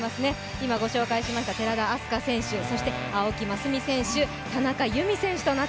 今ご紹介しました寺田明日香選手、青木益未選手、田中佑美選手。